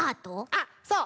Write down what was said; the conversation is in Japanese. あっそう。